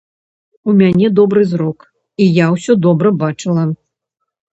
У мяне добры зрок, і я ўсё добра бачыла.